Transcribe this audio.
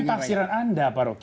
ini kan taksiran anda pak roky